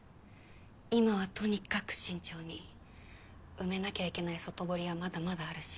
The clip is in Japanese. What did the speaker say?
今はとにかく慎重に埋めなきゃいけない外堀はまだまだあるし。